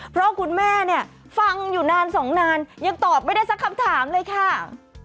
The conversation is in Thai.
เพราะคุณแม่เนี่ยฟังอยู่นานสองนานยังตอบไม่ได้สักคำถามเลยค่ะ